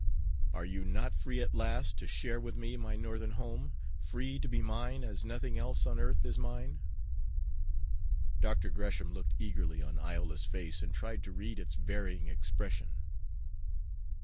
Are you not free at last to share with me my Northern home, free to be mine as nothing else on earth is mine." Dr. Gresham looked eagerly on Iola's face, and tried to read its varying expression.